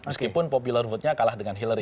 meskipun popular vote nya kalah dengan hillary